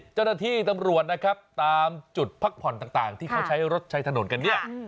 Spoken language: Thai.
เจ้าหน้าที่ตำรวจนะครับตามจุดพักผ่อนต่างที่เขาใช้รถใช้ถนนกันเนี่ย